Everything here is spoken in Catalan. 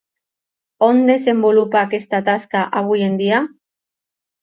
On desenvolupa aquesta tasca avui en dia?